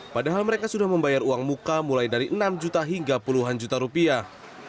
padahal mereka sudah membayar uang muka mulai dari enam juta hingga puluhan juta rupiah